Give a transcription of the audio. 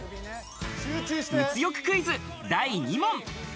物欲クイズ第２問！